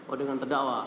oh dengan terdakwa